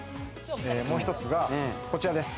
もう一つがこちらです。